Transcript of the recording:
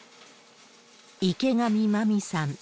池上真味さん。